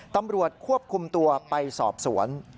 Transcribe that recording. ตำรวจควบคุมตัวไปสอบสวน